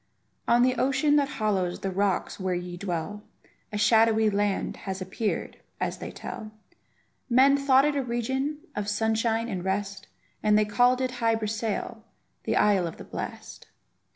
On the ocean that hollows the rocks where ye dwell, A shadowy land has appeared, as they tell; Men thought it a region of sunshine and rest, And they called it Hy Brasail, the isle of the blest.